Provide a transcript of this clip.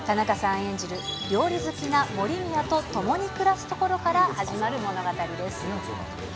演じる料理好きな森宮と共に暮らすところから始まる物語です。